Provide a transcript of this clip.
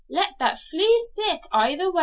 let that flee stick i' the wa'.